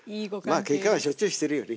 まあけんかはしょっちゅうしてるよね。